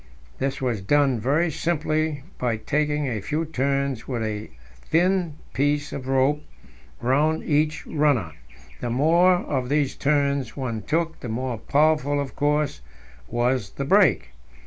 This was done very simply by taking a few turns with a thin piece of rope round each runner; the more of these turns one took, the more powerful, of course, was the brake.